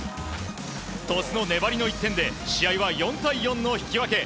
鳥栖の粘りの１点で試合は４対４の引き分け。